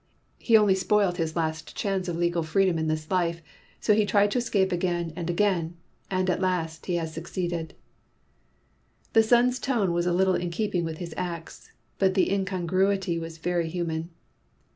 He only spoilt his last chance of legal freedom in this life; so he tried to escape again and again; and at last he has succeeded!" The son's tone was little in keeping with his acts, but the incongruity was very human.